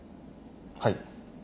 はい。